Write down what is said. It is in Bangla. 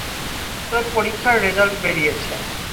তোর পরীক্ষার রেজাল্ট বেরিয়েছে।